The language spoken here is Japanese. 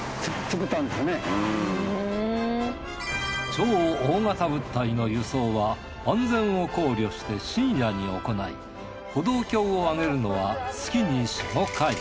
超大型物体の輸送は安全を考慮して深夜に行い歩道橋を上げるのは月に４５回。